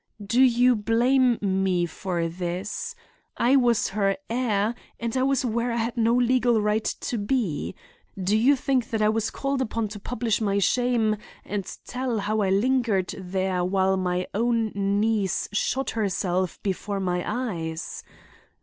"Do you blame me for this? I was her heir and I was where I had no legal right to be. Do you think that I was called upon to publish my shame and tell how I lingered there while my own niece shot herself before my eyes?